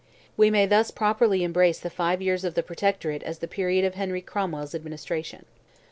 We may thus properly embrace the five years of the Protectorate as the period of Henry Cromwell's administration.